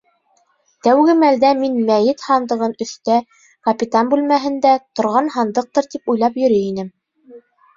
Тәүге мәлдә мин «мәйет һандығын» өҫтә, капитан бүлмәһендә, торған һандыҡтыр тип уйлап йөрөй инем.